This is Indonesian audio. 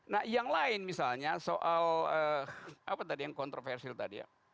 nah yang lain misalnya soal apa tadi yang kontroversial tadi ya